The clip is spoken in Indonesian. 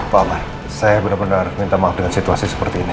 pak amar saya benar benar minta maaf dengan situasi seperti ini